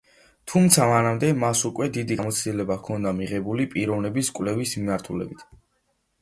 თუმცა მანამდე, მას უკვე დიდი გამოცდილება ჰქონდა მიღებული პიროვნების კვლევის მიმართულებით.